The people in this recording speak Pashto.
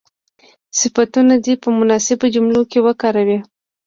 صفتونه دې په مناسبو جملو کې وکاروي.